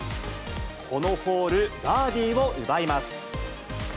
このホール、バーディーを奪います。